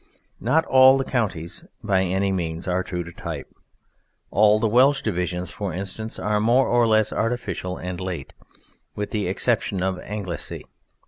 Not all the counties by any means are true to type. All the Welsh divisions, for instance, are more or less artificial and late, with the exception of Anglesey.